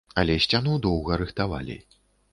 Але сцяну доўга рыхтавалі.